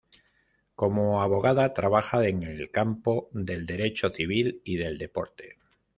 Como abogada trabaja en el campo del derecho civil y del deporte.